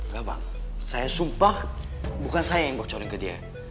gak bang saya sumpah bukan saya yang bocorin ke dia